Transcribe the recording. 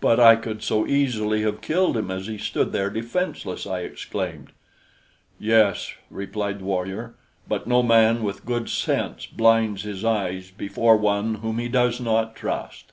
"But I could so easily have killed him as he stood there defenseless!" I exclaimed. "Yes," replied the warrior, "but no man with good sense blinds his eyes before one whom he does not trust."